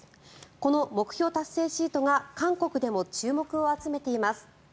この目標達成シートが韓国でも注目を集めています。